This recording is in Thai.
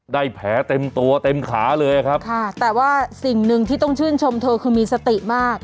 แผลเต็มตัวเต็มขาเลยครับค่ะแต่ว่าสิ่งหนึ่งที่ต้องชื่นชมเธอคือมีสติมาก